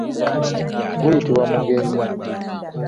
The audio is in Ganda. Guyitibwa mugenyi.